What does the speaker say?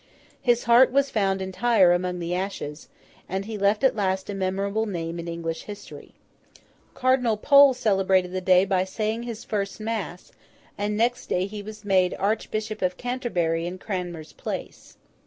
His heart was found entire among his ashes, and he left at last a memorable name in English history. Cardinal Pole celebrated the day by saying his first mass, and next day he was made Archbishop of Canterbury in Cranmer's place.